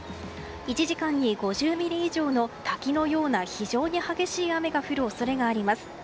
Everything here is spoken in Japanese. １時間に５０ミリ以上の滝のような非常に激しい雨が降る恐れがあります。